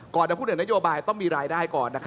จะพูดถึงนโยบายต้องมีรายได้ก่อน